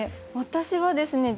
私はですね